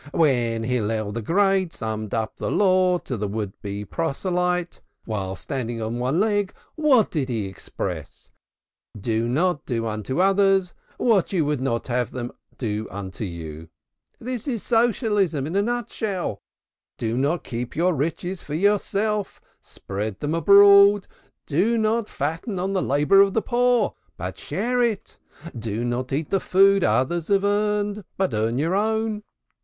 "When Hillel the Great summed up the law to the would be proselyte while standing on one leg, how did he express it? 'Do not unto others what you would not have others do unto you.' This is Socialism in a nut shell. Do not keep your riches for yourself, spread them abroad. Do not fatten on the labor of the poor, but share it. Do not eat the food others have earned, but earn your own.